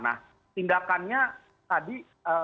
nah tindakannya tadi